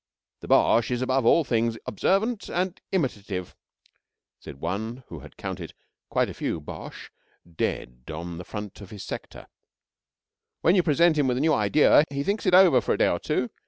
"The Boche is above all things observant and imitative," said one who counted quite a few Boches dead on the front of his sector. "When you present him with a new idea, he thinks it over for a day or two.